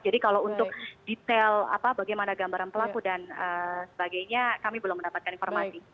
jadi kalau untuk detail apa bagaimana gambaran pelaku dan sebagainya kami belum mendapatkan informasi